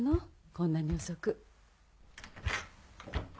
こんなに遅く。